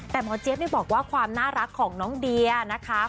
แต่หมอเจี๊ยบบอกว่าความน่ารักของน้องเดียนะคะ